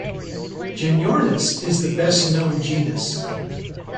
"Genyornis" is the best known genus.